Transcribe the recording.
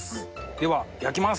では焼きます。